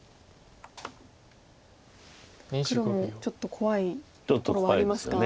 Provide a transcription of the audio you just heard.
黒もちょっと怖いところはありますか？